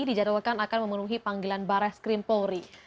dijadwalkan akan memenuhi panggilan barah skrimpolri